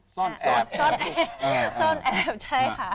ซ่อนแอบใช่ค่ะ